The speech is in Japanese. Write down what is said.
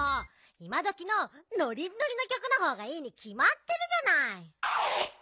いまどきのノリッノリのきょくのほうがいいにきまってるじゃない！